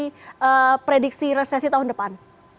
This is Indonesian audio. atau untuk menghadapi prediksi resesi tahun depan